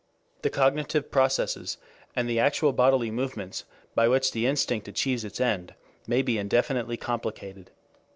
The cognitive processes, and the actual bodily movements by which the instinct achieves its end may be indefinitely complicated.